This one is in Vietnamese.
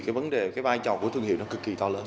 cái vấn đề cái vai trò của thương hiệu nó cực kỳ to lớn